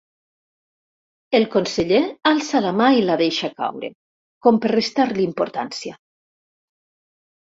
El conseller alça la mà i la deixa caure, com per restar-li importància.